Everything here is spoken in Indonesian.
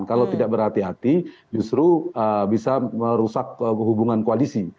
kalau tidak berhati hati justru bisa merusak hubungan koalisi